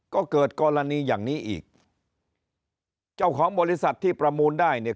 ก็เกิดกรณีอย่างนี้อีกเจ้าของบริษัทที่ประมูลได้เนี่ย